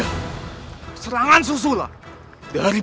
ayuh cepat antarkan aku